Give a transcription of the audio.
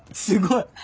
すごい。